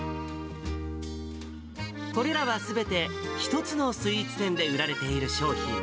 これらはすべて、一つのスイーツ店で売られている商品。